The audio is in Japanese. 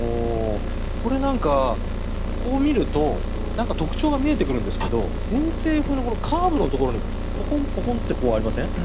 これ、こう見ると特徴が見えてくるんですけど偏西風のカーブのところにぽこんってありません？